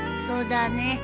そうだね。